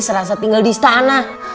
serasa tinggal di istana